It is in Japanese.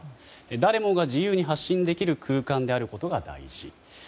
誰もが自由に発信できる空間であることが大事。